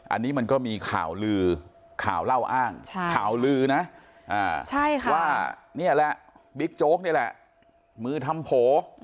อันนี้มันก็มีข่าวลือข่าวเล่าอ้างข่าวลือนะว่านี่แหละบิ๊กโจ๊กนี่แหละมือทำโผล่